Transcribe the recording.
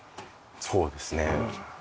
そうですね。